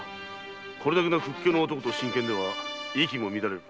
これだけの屈強な男と真剣では息も乱れる。